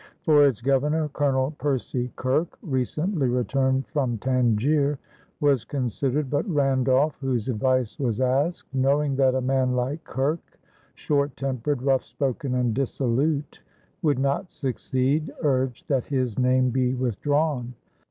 For its Governor, Colonel Percy Kirke, recently returned from Tangier, was considered, but Randolph, whose advice was asked, knowing that a man like Kirke, "short tempered, rough spoken, and dissolute," would not succeed, urged that his name be withdrawn.